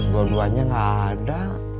buluannya nggak ada